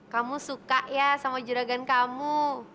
kamu suka ya sama juragan kamu